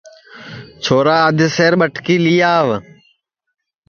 چھورا ادھ سیر ٻٹکی لی آوَ